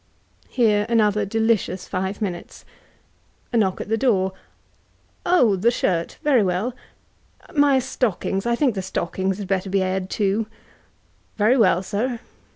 Here another delicious five minutes. A knock at the door; "Oh, the shirt — very well. My stockii^;s — I think the stockings had better be aired toow^ "Very wellj Sir."